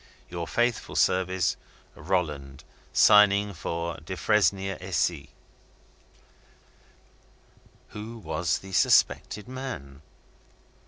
Your faithful servant ROLLAND, (Signing for Defresnier and Cie.) Who was the suspected man?